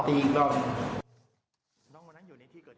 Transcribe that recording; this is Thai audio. อีกรอบหนึ่ง